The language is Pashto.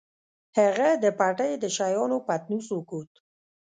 هغه د پټۍ د شيانو پتنوس وکوت.